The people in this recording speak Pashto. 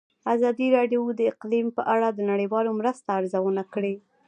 ازادي راډیو د اقلیم په اړه د نړیوالو مرستو ارزونه کړې.